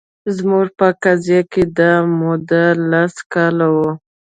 زموږ په قضیه کې دا موده لس کاله وه